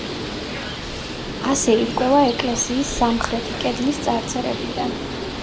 ასე ირკვევა ეკლესიის სამხრეთი კედლის წარწერებიდან.